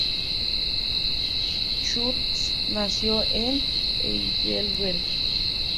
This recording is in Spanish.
Schütz nació en Heidelberg.